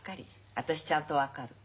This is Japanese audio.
私ちゃんと分かる。